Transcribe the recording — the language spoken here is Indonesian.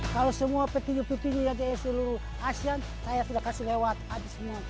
kalau semua peti peti yang seluruh asean saya sudah kasih lewat